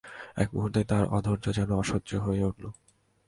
এক মুহূর্তে তার অধৈর্য যেন অসহ্য হয়ে উঠল।